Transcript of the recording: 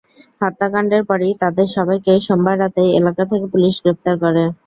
হত্যাকাণ্ডের পরই তাঁদের সবাইকে সোমবার রাতেই এলাকা থেকে পুলিশ গ্রেপ্তার করে।